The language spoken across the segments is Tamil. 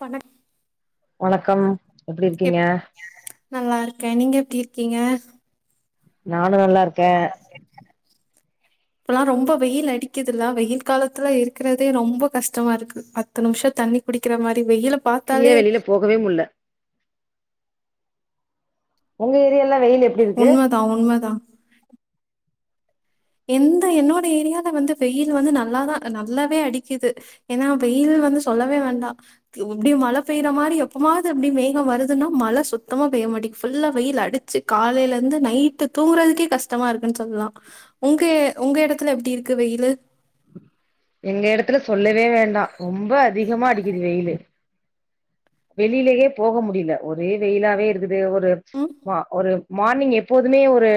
பணக் வணக்கம் எப்டி எப் இருக்கீங்க நல்லா இருக்கே நீங்க எப்டி இருக்கீங்க நானு நல்லா இருக் [inaudible] இப்பல்லா ரொம்ப வெயில் அடிக்குதுல்ல வெயில் காலத்துல இருக்குறதே ரொம்ப கஷ்டமா இருக்குது பத் பத்து நிம்ஷோ தண்ணி குடிக்கிற மாரி வெயில பாத்தாலே ப்ரீயா வெளியில போகவே முட்ல உங்க ஏரியாலா வெயில் எப் உண்மதா உண்மதா எந்த என்னோட ஏரியால வந்து வெயில் வந்து நல்லாதா நல்லாவே அடிக்கிது ஏனா வெயில் வந்து சொல்லவே வேண்டா தி இப்டி மழ பெய்ற மாரி எப்பமாவது அப்டி மேகம் வருதுன்னா மழ சுத்தமா பெய்ய மாட்டைக்கு ஃபுல்லா வெயில் அடு ச்சு காலைல இருந்து நைட்டு தூங்குறதுக்கே கஷ்டமா இருக்குனு சொல்லலா உங்க உங்க இடத்துல எப்டி இருக்கு வெயிலு எங்க இடத்துல சொல்லவே வேண்டா ரொம்ப அதிகமா அடிக்குது வெயிலு வெளிலயே போக முடில ஒரே வெயிலாவே இருக்குது ஒரு ம் மா ஒரு மார்னிங் எப்போதுமே ஒரு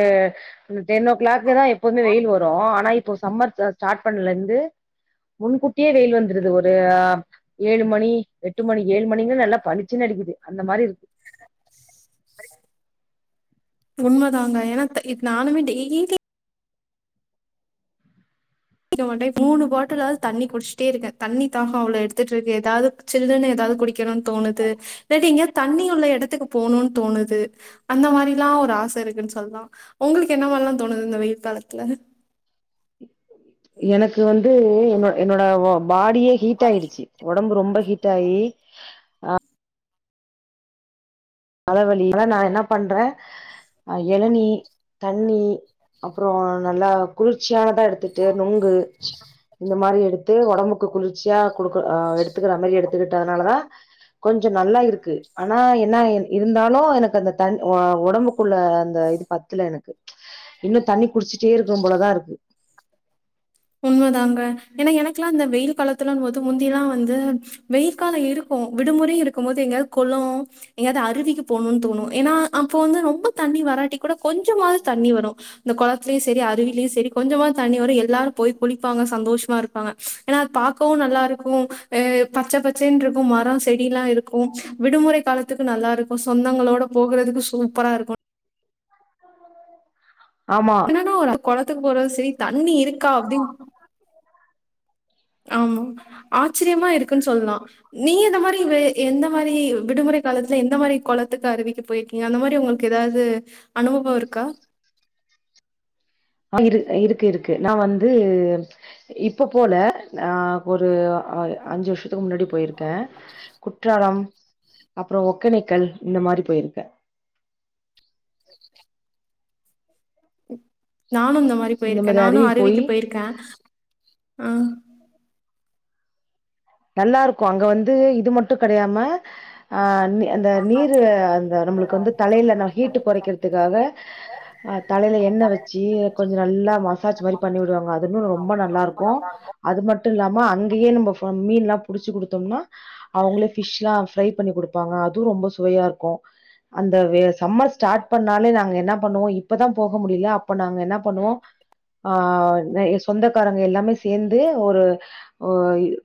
டென் ஓ கிளாக்கு தா எப்போதுமே வெயில் வரும் ஆனா இப் இப்போ சம்மர் ஸ்டார்ட் பண்ல இருந்து முன்கூட்டியே வெயில் வந்துருது ஒரு அ ஏழு மணி எட்டு மணி ஏழு மணிங்கல்ல நல்லா பளிச்சுன்னு அடிக்குது அந்த மாரி இருக்கு உண்ம தாங்க ஏன்னா த நானுமே டெய்லி குடிக்க மாட்டே மூணு பாட்டிலாவது தண்ணி குடிச்சுட்டே இருக்க தண்ணி தாகம் அவ்ளோ எடுத்துட்டு இருக்கு எதாவ்து சில்லுனு ஏதாவது குடிக்கணும்னு தோணுது இல்லாட்டி எங்கேயாவது தண்ணி உள்ள இடத்துக்கு போணுன்னு தோணுது அந்த மாரிலாம் ஒரு ஆச இருக்குனு சொல்லலா உங்குளுக்கு என்ன மாரிலாம் தோணுது இந்த வெயில் காலத்துல எனக்கு வந்து என்னோட என்னோட பாடியே ஹீட் ஆயிடுச்சு உடம்பு ரொம்ப ஹீட் ஆயி தலவலியில நா என்ன பண்ற இளநி தண்ணி அப்றோ நல்லா குளிர்ச்சியானதா எடு த்துட்டு நொங்கு இந்த மாரி எடு து ஒடம்புக்கு குளிர்ச்சியா குடுக்க அ எடுத்துக்கற மாரி எடுத்துக்கிட்டனால தா கொஞ்சோ நல்லா இருக் க்கு ஆனா என்ன இன் இருந்தாலு எனக்கு அந்த தன் வ ஒடம்புக்குள்ள அந்த இது பத்துல எனக்கு இன்னு தண்ணி குடிச்சிட்டே இருக்கணு போலதா இருக்கு உண்மதாங்க ஏனா எனக்குலா இந்த வெயில் காலத்துலம்போது முந்திலா வந்து வெயில் காலோ இருக்கும் விடுமுறை இருக்கும் போது எங்கயாது கொளோ எங்கயாவது அருவிக்கு போணுனு தோணு ஏனா அப்போ வந்து ரொம்ப தண்ணி வராட்டி கூட கொஞ்சமாவது தண்ணி வரும் அந்த குளத்திலேயு சரி அருவிலயு சரி கொஞ்சமாவது தண்ணி வரும் எல்லாரு போய் குளிப்பாங்க சந்தோஷமா இருப்பாங்க ஏன்னா அது பாக்கவும் நல்லா இருக்கும் அ பச்சை பச் சேன்னு இருக்கும் மரோ செடி எல்லா இருக்கும் விடுமுறை காலத்துக்கு நல்லா இருக்கும் சொந்தங்களோட போகுறதுக்கு சூப்பரா இருக்கும் ஆமா கொளத்துக்கு போறது சரி தண்ணி இருக்கா அப்டின்னு ஆமா ஆச்சரியமா இருக்குனு சொல்லலாம் நீ அந்த மாரி எந்த மாரி விடுமுறை காலத்துல எந்த மாரி கொளத்துக்கு அருவிக்கு போயி நீங்க அந்த மாரி உங்களுக்கு ஏதாவது அனுபவம் இருக்கா ஆ இருக் இருக்கு இருக்கு நா வந்து இப்ப போல ஆ ஒரு அ அஞ்சு வருஷத்துக்கு முன்னாடி போயிருக்கே குற்றாலம் அப்றோ ஒக்கேனக்கல் இந்த மாரி போயிருக்க நானும் இந்த மாரி போயிருக்க நானும் அருவிக்கு போயிருக்க ஆ நல்லா இருக்கும் அங்க வந்து இது மட்டும் கிடையாம அ அந்த நீரு அந்த நம்முளுக்கு வந்து தலையில நா ஹீட்டு குறைக்கிறதுக்காக அ தலையில எண்ணெய் வச்சு கொஞ்சோ நல்லா ‌ மசாஜ் மாரி பண்ணி விடுவாங்க அது இன்னு ரொம்ப நல்லா இருக்கும் அது மட்டும் இல்லாம அங்கேயே நம்ம ஃப மீன் ‌எல்லாம் புடிச்சு குடுத்தோம்னா அவுங்களே ஃபிஷ் எல்லாம் ஃப்ரை பண்ணி குடுப்பாங்க அதும் ரொம்ப சுவையா இருக்கும் அந்த வே சம்மர் ஸ்டார்ட் பண்ணாலே நாங்க என்ன பண்ணுவோ இப்பதா போக முடில அப்ப நாங்க என்ன பண்ணுவோ ஆ ரெயி சொந்தக்காரங்க எல்லாமே சேந்து ஒரு ஒ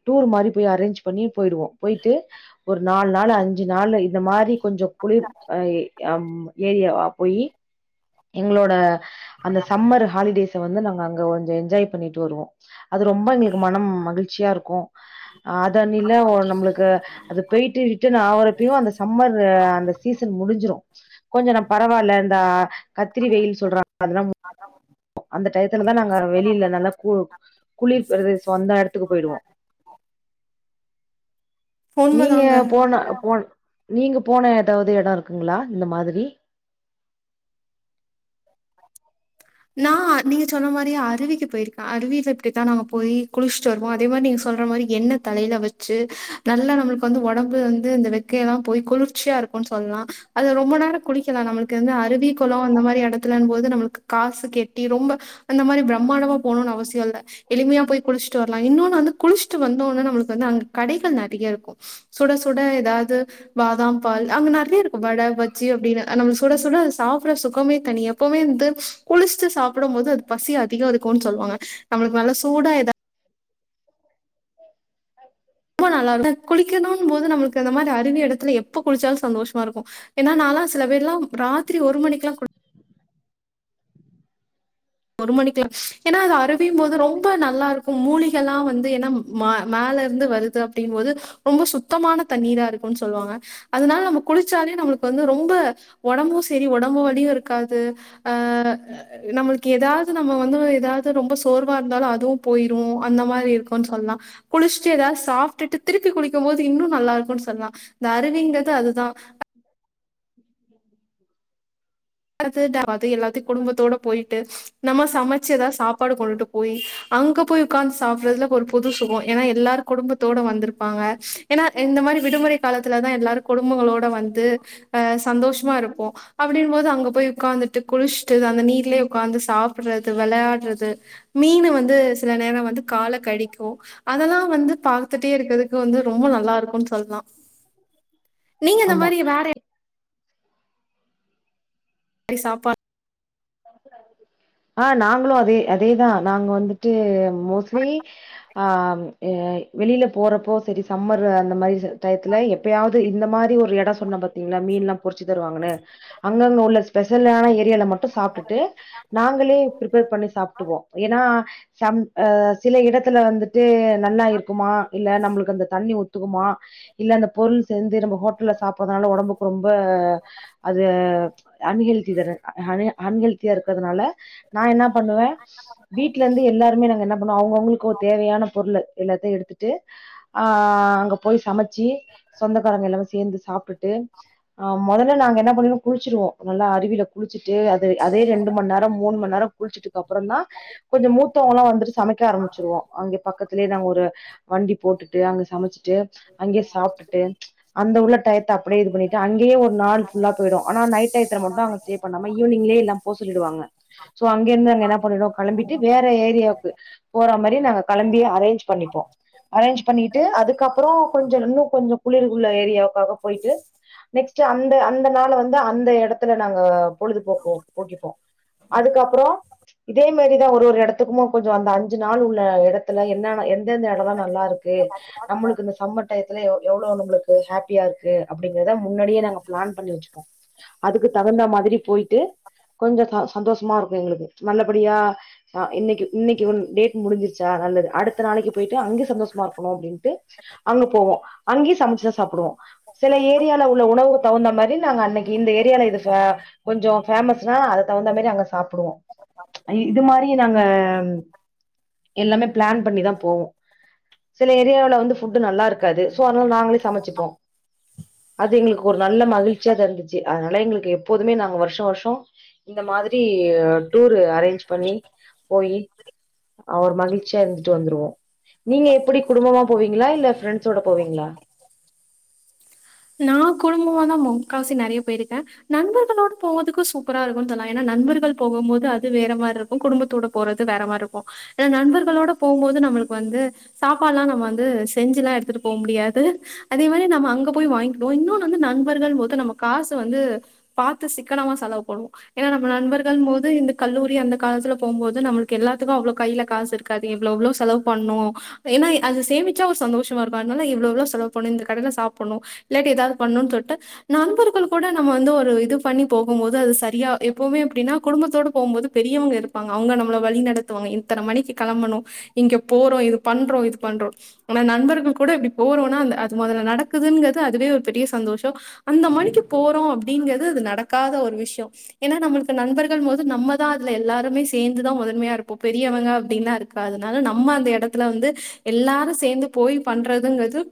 டூர் மாரி போய் அரேஞ்ச் பண்ணி போயிடுவோ போயிட்டு ஒரு நாள் நாலு அஞ்சு நாளு இந்த மாரி கொஞ்சோ குளிர் ஏரியாவா போயி எங்ளோட அந்த சம்மர் ஹாலிடேஸ்ஸ வந்து நாங்க அங்க கொஞ்சோ என்ஜாய் பண்ணிட்டு வருவோ அது ரொம்ப எங்ளுக்கு மனம் மகிழ்ச்சியா இருக்கு அத னில ஒர் நம்புளுக்கு அது போயிட்டு டு நாவரப்பியு அந்த சம்மர் அந்த சீசன் முடிஞ்சிரு கொஞ்சோ நம் பரவால இந்த அ கத்திரி வெயில் சொல்றா அதுலாம் அதம் அந்த டையத்துல தா நாங்க வெளியில நல்லா கு குளிர் பிரதேசோ அந்த இடத்துக்கு போயிடுவோ நீங்க உண்மதாங்க. போன போன் நீங்க போன ஏதாவது இடோ இருக்குங்ளா இந்த மாதிரி நா நீங்க சொல்ற மாரி அருவிக்கு போயிருக்கே அருவியில இப்டித்தா நாங்க போய் குளிச்சிட்டு வருவோ அதே மாரி நீங்க சொல்ற மாரி எண்ண தலையில வச்சு நல்லா நம்ளுக் வந்து உடம்பு வந்து இந்த வெக்கைய எல்லா போய் குளிர்ச்சியா இருக்கு சொல்லா அது ரொம்ப நேர குளிக்கலா நம்ளுக்கு வந்து அருவி கொளோ அந்த மாரி இடத்துலன் போது நம்ளுக்கு காசு கெட்டி ரொம்ப அந்த மாரி பிரம்மாண்டமா போணுனு அவசியோ இல்ல எளிமையா போய் குளிச்சிட் வர் நா இன்னொன்னு வந்து குளிச்சுட்டு வந்தோன்ன நமளுக்கு வந்து அங்க கடைகள் நிறைய இருக்கு சுட சுட ஏதாவ்து பாதாம் பால் அங்க நிறைய இருக்கு வட பஜ்ஜி அப்டின்னு அ நம்ம சுட சுட சாப்பிட்ற சுகமே தனி எப்பவுமே வந்து குளிச்சிட்டு சாப்பிடும் போது அது பசி அதிகோ இருக்குன் சொல்வாங்க நம்புளுக்கு நல்ல சூடா எதா [inaudible] ரொம்ப நல்லா இரு குளிக்கணும் போது நம்ளுக்கு இந்த மாரி அருவி இடத்துல எப்ப குளிச்சாலு சந்தோஷ்மா இருக்கு ஏன்னா நாலா சில பேர்லா ராத்திரி ஒரு மணிக்லா குட்த் ஒரு மணிக்லா ஏனா அது அருவி எப்பயும் போது ரொம்ப நல்லா இருக்கும் மூலிகலா வந்து ஏன்னா ம மேல இருந்து வருது அப்டிம்போது ரொம்ப சுத்தமான தண்ணீரா இருக்கும்னு சொல்வாங்க அதுனால நம்ப குளிச்சாலே நம்முளுக்கு வந்து ரொம்ப ஒடம்பு சரி ஒடம்பு வலியு இருக்காது ஆ நம்முளுக்கு எதாவது நம்ம வந்து எதாவது ரொம்ப சோர் எதுவா இருந்தாலு அதுவு போயிரும் அந்த மாரி இருக்குன் சொல்லா குளிச்சிட்டு எதாவது சாப்ட்டுட்டு திருப்பி குளிக்கும் போது இன்னு நல்லாருக்குனு சொல்லா இந்த அருவிங்கிறது அதுதா [inaudible] அடுத்து தேவாங்கு எல்லாத்தையு குடும்பத்தோட போயிட்டு ப்ச் நம்ம சமைச்சு ஏதா சாப்பாடு கொண்டுட்டு போய் அங்க போய் உக்காந்து சாப்பிறதுல ஒரு பொது சுகம் ஏனா எல்லாரு குடும்பத்தோடு வந்திருப்பாங்க ஏனா இந்த மாரி விடுமுறை காலத்துல தா எல்லாரும் குடும்பங்களோட வந்து அ சந்தோஷ்மா இருப்போ அப்படின்பது அங்க வந்துட்டு குளிச்சுட்டு அந்த நீர்லே உக்காந்து சாப்பிறது விளையாட்றது மீன் வந்து சில நேர வந்து கால கடிக்கு அதெல்லா வந்து பார்த்துட்டே இருக்கதுக்கு வந்து ரொம்ப நல்லா இருக்குனு சொல்லா நீங்க இந்த ஆமா மாரி வேற யா அடி சாப்பாத் ஆ நாங்ளோ அதே அதே தா நாங்க வந்துட்டு மோஸ்லி ஆம் ஏ வெளியில போறப்போ சரி சம்மர் அந்த மாரி டையத்துல எப்பயாவது இ இந்த மாரி ஒரு ஏடோ சொன்ன பாத்தீங்ளா மீன் லா பொரிச்சு தருவாங்கனு அங்கங்க உள்ள ஸ்பெஷலான ஏரியல ம ட்டு சாப்டுட்டு நாங்களே பிரிப்பேர் பண்ணி சாப்பிடுவோ ஏனா சம் அ சில இடத்துல வந்துட்டு நல்லா இருக்குமா இல்ல நம்மளுக்கு அந்த தண்ணி ஒத்துக்குமா இல்ல அந்த பொருள் சேந்து நம்ம ஹோட்டல்ல சாப்டறனால ஒடம்புக்கு ரொம்ப அது அன்ஹெல்த்திதான அன் அன்ஹெல்த்தியா இருக்கறதுனால நா என்னா பண்ணுவ வீட்லந்து எல்லாருமே நாங்க என்ன பண்ணுவோ அவுங்கவுங்களுக்கு ஒரு தேவையான பொருள் எல்லாத்தையு எடுத்து ட்டு ஆ அங்க போய் சமைச்சி சொந்தக்காரங்க எல்லா சேந்து சாப்ட்டுட்டு ஆ மொதல்ல நாங்க என்ன பண்ணிருவோ குளிச்சிருவோ நல்லா அருவில குளிச்சிட்டு அது அதே ரெண்டு மண் நேரோ நா மூன் மண் நேரோ குளிச்சுட்டுக்கு அப்பறந்தான் கொஞ்சோ மூத்தவங்கல்லா வந்துட்டு சமைக்க ஆரம்பிச்சிருவோ அங்க பக்கத்துலயேதா ஒரு வண்டி போட்டுட்டு அங்க சமைச்சிட்டு அங்கயே சாப்ட்டுட்டு அந்த உள்ள டையத்த அப்டியே இது பண்ணிட்டு அங்கயே ஒரு நாள் ஃபுல்லா போயிடு ஆனா நைட் டயத்துல மட்டு அங்க ஸ்டே பண்ணாம ஈவ்னிங்லயே எல்லா போ சொல்லிடுவாங்க சோ அங்க இந்து அங்க என்ன பண்ணிடுவோ கெளம்பிட்டு வேற ஏரியாவுக்கு போறா மாரி நாங்க கெளம்பி அரேஞ்ஜ் பண்ணிப்போ அரேஞ்ச் பண்ணிட்டு அதுக்கப்புறோ கொஞ்சோ இன்னு கொஞ்சோ குளிர் உள்ள ஏரியாவுக்காக போயிட்டு நெக்ஸ்ட்டு அந்த அந்த நாள வந்து அந்த எடத்துல நாங்க பொழுதுபோக்குவோ போக்கிப்போ அதுக்கப்பறோ இதே மாரிதா ஒரு ஒரு எடத்துக்குமா கொஞ்சோ அந்த அஞ்சு நாள் உள்ள எடத்துல என்னா என்ன எந்தந்த எடொல்லா நல்லா இருக்கு நம்மளுக்கு இந்த சம்மர் டயத்துல எ எவ்வோ நம்மளு க்கு ஹாப்பியா இருக்கு அப்டிங்கிறத முன்னாடியே நாங்க பிளான் பண்ணி வெச்சுக்குவோ அதுக்கு தகுந்த மாதிரி போயிட்டு கொஞ்சோ சந்தோஷமா இருக்கு எங்களுக்கு நல்லபடியா ஆ இன்னைக்கு இன்னைக்கு ஒன் டேட் முடிஞ்ச்சா நல்லது அடுத்த நாளைக்கு போயிட்டு அங்க சந்தோஷமா இருக்கணு அப்டின்ட்டு அங்க போவோ அங்கயு சமச்சுதா சாப்டுவோ சில ஏரியால உள்ள உணவுக்கு தகுந்த மாரி நாங்க அன்னக்கி இந்த ஏரியால இது ஃபா கொஞ்சோ ஃபேமஸ்னா அதுக்கு தகுந்தா மாரி அங்க சாப்டுவோ அ இது மாரியே நாங்க எல்லாமே ப்ளான் பண்ணிதா போவோ சில ஏரியாவ்ல வந்து ஃபுட்டு் நல்லா இருக்காது சோ அதனால நாங்களே சமச்சுப்போ அது எங்களுக்கு ஒரு நல்ல மகிழ்ச்சியாதா இந்துச்சு அதனால எங்களுக்கு எப்போதுமே நாங்க வருஷா வருஷோ இந்த மாதிரி டூரு அரேஞ்ச் பண்ணி போயி அவர் மகிழ்ச்சியா இருந்துட்டு வந்துருவோ நீங்க எப்டி குடும்பமா போவீங்ளா இல்ல ஃபிரெண்ட்ஸோட போவீங்ளா நா குடும்பமாதா போவோ முக்காவாசி நெறையா போயிருக்கேன் நண்பர்களோட போகதுக்கு சூப்பரா இருக்குந் தோழா ஏனா நண்பர்கள் போகும்போது அது வேற மாருக்கு குடும்பத்தோட போறது வேற மாருக்கு ஏனா நண்பர்களோட போகும்போது நம்மளுக்கு வந்து சாப்பாடு எல்லா நம்ம வந்து செஞ்செல்லா எடுத்துட்டு போ முடியாது அதே மாரி நம்ம அங்க போய் வாங்கிக்கிடுவோ இன்னொன்னு வந்து நண்பர்கள்ம்போது நம்ம காசு வந்து பாத்து சிக்கனமா செலவு பண்ணுவோ ஏனா நம்ம நண்பர்கள்ன்போது இந்த கல்லூரி அந்த காலத்துல போம்போது நம்மளுக்கு எல்லாத்துக்கு அவ்ளோ கைல காசு இரு க்காது இவ்ளோ இவ்ளோ செலவு பண்னு ஏனா எ அது சேமிச்சா ஒரு சந்தோஷமா இருக்கு அதனால இவ்ளோ இவ்ளோ செலவு பண்ணு இந்த கடைல சா ப்பண்ணு இல்லாட்டி எதாவது பண்ணு சொல்ட்டு நண்பர்கள் கூட நம்ம வந்து ஒரு இது பண்ணி போகும்போது அது சரியா எப்புமே எப்டினா குடும்பத்தோட போம்போது பெரியவங்க இருப்பாங்க அவுங்க நம்மள வழி நடத்துவாங்க இத்தன மணிக்கு கெளம்பணு இங்க போறோ இது பண்றோ இது பண்றோ ஆனா நண்பர்கள் கூட இப்டி போறோனா அந்த அது மொதல்ல நட து அதுவே ஒரு பெரிய சந்தோஷ அந்த மணிக்கு போறோ அப்டிங்கிறது அது நடக்காத ஒரு விஷ்யோ ஏனா நம்மளுக்கு நண்பர்கள்ன்னும்போது நம்மதா அதுல எல்லாருமே சேந்துதா முதன்மையா இருப்போ பெரியவங்க அப்டினா இரு க்காது அதனால நம்ம அந்த எடத்துல வந்து எல்லாரு சேந்து போய் பண்றதுங்கறது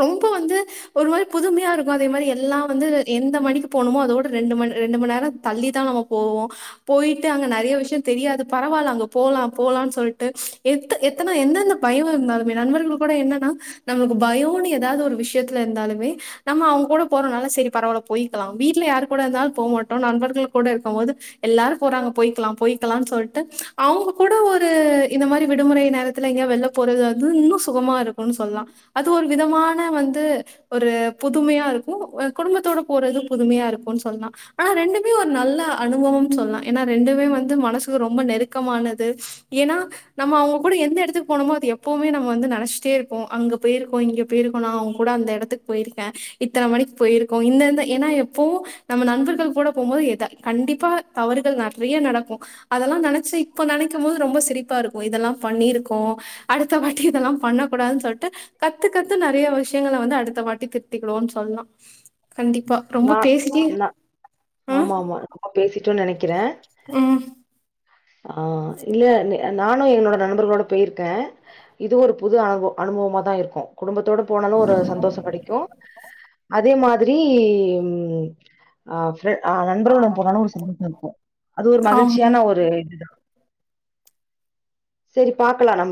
ரொ ப்போ வந்து ஒரு மாரி புதுமையா இருக்கு அதே மாரி எல்லா வந்து எந்த மணிக்கு போணுமோ அதோட ரெண்டு மண்ணு ரெண்டு மண்ணேரத் தள்ளி தா அவவ் போவோ போய்ட்டு அங்க நறைய விஷயு தெரியாது பரவால்ல அங்க போலா போலான் சொல்ட்டு எத் த்த எத்தன எந்தெந்த பயோ வெருந்தாலுமே நண்பர்கள் கூட என்னன்னா நமக்கு பயோன்னு எதாவ்தோ விஷ்யத்துல இருந்தாலுமே நம்ம அவுங் கூட போறனால சரி பரவால்ல போய்க்கலா வீட்ல யாரு கூட இருந்தால் போ மாட்டோ நண்பர்கள் கூட இருக்கும் போது எல்லாரு போறாங்க போய்க்கலா போய்க்கலான் சொல்ட்டு அவுங்க கூட ஒரு இந்த மாரி விடுமுறை நேரத்துல எங்க்யாவ் வெள்லப் போறது அதூ இன்னு சுகமா இருக்குன்னு சொல்லா அது ஒரு விதமான து ஒரு புதுமையா இருக்கு வெ குடும்பத்தோட போறது புதுமையா இருக்குன் சொன்னா ஆனா ரெண்டுமே ஒர் நல்ல அனுபவம் சொல்லா ஏன்னா ரெண்டுமே வந்து மனசுக்கு ரொம்ப நெருக்கமானது எனா நம்ம அவங்க கூட எந்த எடத்துக் போனோமோ அது எப்போமே நம்ம வந்து நெனச்ட்டே இருப்போ அங்கப் போய்ர்க்கோ இங்க போய்ர்க்கொனாவ் அந்த எடத்துக் போய்ர்க்கே இத்தன மணிக் போய்ர்க்கோ இந்தந்த எனா எப்போவு நம்ம நண்பர்கள் கூட போம்போது எதா கண்டிப்பா தவறுகள் நர்றைய நடக்கு அதல்லா நனச்சி இப்ப நனைக்கும் போது ரொம்ப சிரிப்பா இருக்கு இதெல்லா பண்ணிருக்கோ அடுத்தவாட்டி இதெல்லா பண்ணக்கூடாதுன் சொல்ட்டு கத்தி உகத்து நறையா விஷ்யங்கள வந்து அடுத்த வாட்டி திர்த்திக்கிறோன் சொல்லா கண்டிப்பா ரொம்ப நா பேசிட்டே உ பேசிட்டோ நனைக்கிற ம் ஆ இல நே அ நானு என்னோட நண்பர்களோட போய்ர்க்கே இது ஒரு புது அனுபோ அனுபவமா தா இருக்கு குடும்பத்தோடு போனாலு ஒரு சந்தோஸோ கடைக்கு அதே மாதிரி இம் ஆஃப் ரு ஆ நண்பர்க்ளுடன் போனாலு சிந்தித்து அனுப்வே அது ஒர் ஆமா மகிழ்ச்சியான ஒரு இதுதா செரி பாக்கலா நம்ப